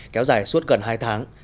kéo dài suốt gần hai tháng